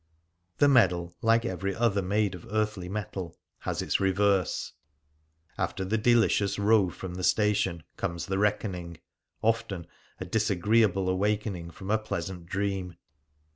The medal, like every other made of earthly metal, has its reverse. After the delicious row from the station comes the reckoning — often a disagreeable awakening from a pleasant dream.